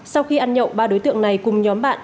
sau khi ăn nhậu ba đối tượng này cùng nhóm bạn